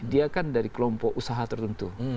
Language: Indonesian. dia kan dari kelompok usaha tertentu